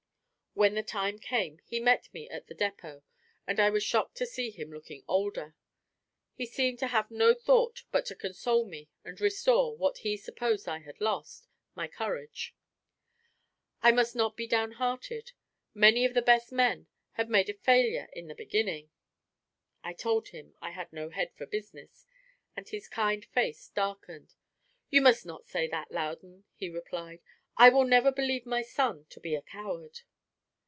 When the time came, he met me at the depot, and I was shocked to see him looking older. He seemed to have no thought but to console me and restore (what he supposed I had lost) my courage. I must not be down hearted; many of the best men had made a failure in the beginning. I told him I had no head for business, and his kind face darkened. "You must not say that, Loudon," he replied; "I will never believe my son to be a coward."